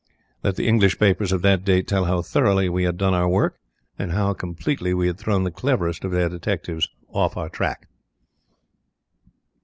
Let the English papers of that date tell how throughly we had done our work, and how completely we had thrown the cleverest of their detectives off our track.